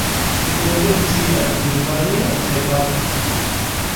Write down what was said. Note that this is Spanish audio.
Se encuentra en China, Birmania, Nepal.